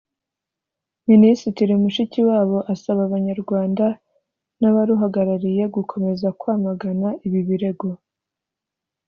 Minisitiri Mushikiwabo asaba Abanyarwanda n’abaruhagarariye gukomeza kwamagana ibi birego